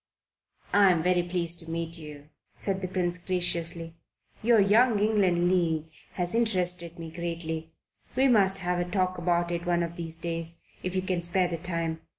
"I'm very pleased to meet you," said the Prince graciously. "Your Young England League has interested me greatly. We must have a talk about it one of these days, if you can spare the time.